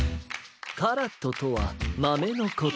カラットとはまめのこと。